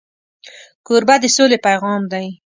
کوربه د سولې پیغام دی.